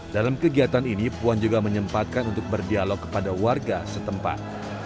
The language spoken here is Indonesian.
dalam kegiatan ini puan juga menyempatkan untuk berdialog kepada warga setempat